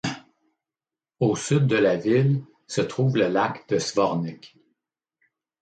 Au sud de la ville se trouve le lac de Zvornik.